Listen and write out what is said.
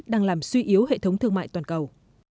đang làm suy yếu hệ thống thương mại toàn cầu